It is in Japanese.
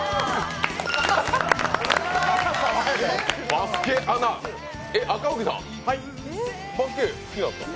バスケアナ、赤荻さん、バスケ好きなんですか？